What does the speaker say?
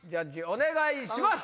お願いします！